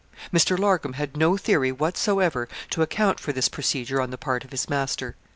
Mr. Larcom had no theory whatsoever to account for this procedure on the part of his master.